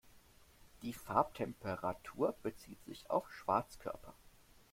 Die Farbtemperatur bezieht sich auf Schwarzkörper.